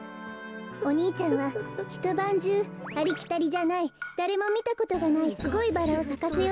お兄ちゃんはひとばんじゅうありきたりじゃないだれもみたことがないすごいバラをさかせようとしたみたいなの。